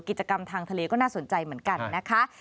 กิจกรรมทางทะเลก็น่าสนใจเหมือนกันนะคะ